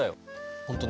本当ね